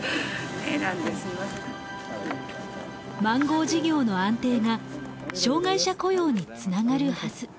マンゴー事業の安定が障がい者雇用につながるはず。